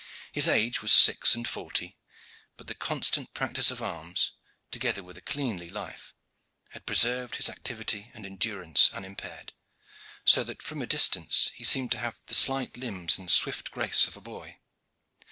His age was six and forty, but the constant practice of arms, together with a cleanly life, had preserved his activity and endurance unimpaired, so that from a distance he seemed to have the slight limbs and swift grace of a boy.